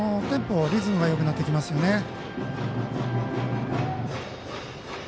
テンポ、リズムがよくなってきますよね。